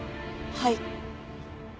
はい。